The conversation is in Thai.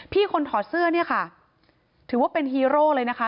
คนถอดเสื้อเนี่ยค่ะถือว่าเป็นฮีโร่เลยนะคะ